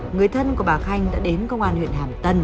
người thân của bà khanh đã đến công an huyện hàm tân để trình báo